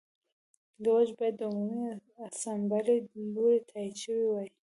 دوج باید د عمومي اسامبلې له لوري تایید شوی وای